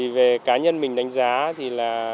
về cá nhân mình đánh giá